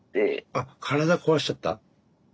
あっ体壊しちゃった？